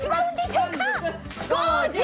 ５０！